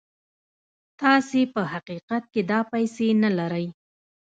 تاسې په حقيقت کې دا پيسې نه لرئ.